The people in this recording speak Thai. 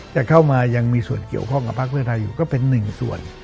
จะเข้ามายังมีส่วนเกี่ยวข้องกับภาคเพื่อไทยอยู่ก็เป็นหนึ่งส่วน